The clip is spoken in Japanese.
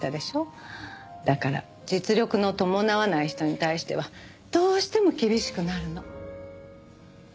だから実力の伴わない人に対してはどうしても厳しくなるの。